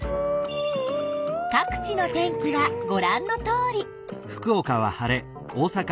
各地の天気はごらんのとおり。